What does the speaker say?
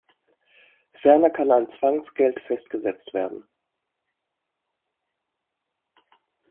Ferner kann ein Zwangsgeld festgesetzt werden.